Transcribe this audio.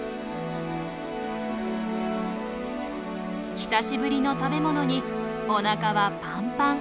久しぶりの食べ物におなかはパンパン。